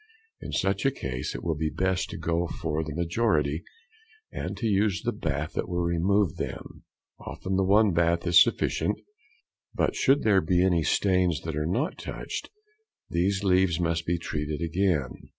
In such a case it will be best to go for the majority, and to use the bath that will move them. Often the one bath is sufficient, but should there be any stains that are not touched, these leaves must be treated again.